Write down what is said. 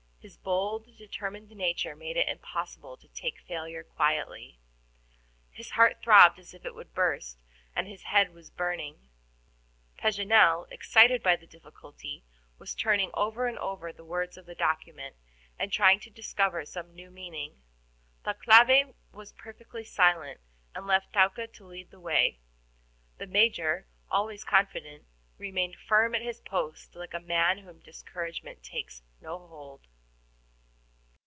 His bold, determined nature made it impossible to take failure quietly. His heart throbbed as if it would burst, and his head was burning. Paganel, excited by the difficulty, was turning over and over the words of the document, and trying to discover some new meaning. Thalcave was perfectly silent, and left Thaouka to lead the way. The Major, always confident, remained firm at his post, like a man on whom discouragement takes no hold.